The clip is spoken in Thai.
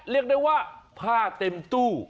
เรียกได้ว่าผ้าเต็มตู้